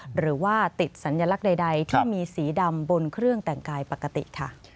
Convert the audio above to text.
หรือว่าติดสัญลักษณ์ใดที่มีสีดำบนเครื่องแต่งกายปกติค่ะ